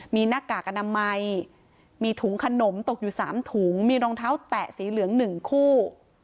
มีหน้ากากอนามัยมีถุงขนมตกอยู่๓ถุงมีรองเท้าแตะสีเหลือง๑คู่